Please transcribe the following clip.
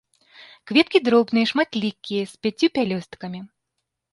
Кветкі дробныя, шматлікія, з пяццю пялёсткамі.